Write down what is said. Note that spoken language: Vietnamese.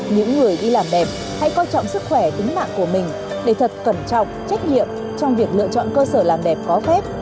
những người đi làm đẹp hãy coi trọng sức khỏe tính mạng của mình để thật cẩn trọng trách nhiệm trong việc lựa chọn cơ sở làm đẹp có phép